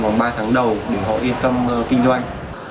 vòng ba tháng đầu để họ yên tâm kinh doanh